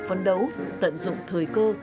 phấn đấu tận dụng thời cơ